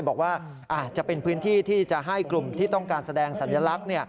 บอกว่าอาจจะเป็นพื้นที่ที่จะให้กลุ่มที่ต้องการแสดงสัญลักษณ์